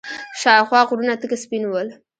شاوخوا غرونه تک سپين ول.